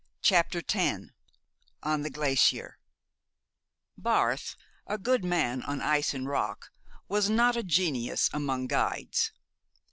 CHAPTER X ON THE GLACIER Barth, a good man on ice and rock, was not a genius among guides.